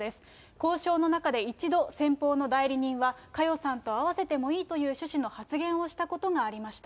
交渉の中で一度、先方の代理人は、佳代さんと会わせてもいいという趣旨の発言をしたことがありました。